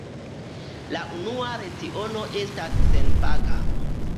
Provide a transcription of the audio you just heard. La unua leciono estas senpaga.